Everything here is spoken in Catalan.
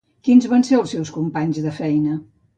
Qui van ser els seus companys de feina?